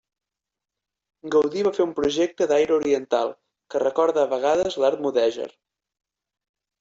Gaudí va fer un projecte d'aire oriental, que recorda a vegades l'art mudèjar.